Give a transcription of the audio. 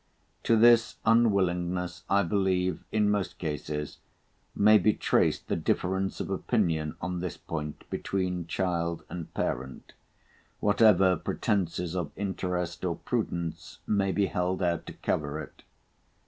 To this unwillingness, I believe, in most cases may be traced the difference of opinion on this point between child and parent, whatever pretences of interest or prudence may be held out to cover it.